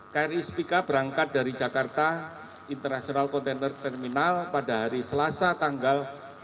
kri spika berangkat dari jakarta international container terminal pada hari selasa tanggal delapan januari dua ribu dua puluh satu